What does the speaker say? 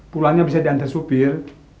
pulangnya bisa diantar supir